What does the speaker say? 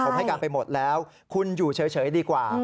ผมให้การไปหมดแล้วคุณอยู่เฉยดีกว่า